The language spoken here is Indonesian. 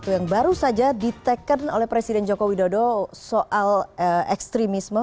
yang baru saja diteken oleh presiden joko widodo soal ekstremisme